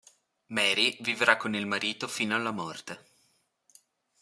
Mary vivrà con il marito fino alla morte.